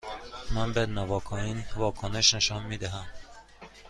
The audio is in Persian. من به نواکائین واکنش نشان می دهم.